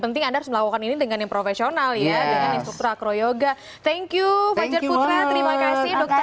penting ada semangat ini dengan yang profesional ya supra kroyoga thank you terima kasih dokter